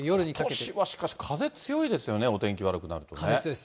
ことしはしかし、風強いですよね、お天気悪くなるとね。